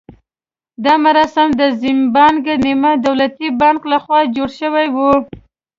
دا مراسم د زیمبانک نیمه دولتي بانک لخوا جوړ شوي وو.